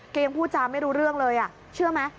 พูดจาไม่รู้เรื่องเลยเชื่อไหม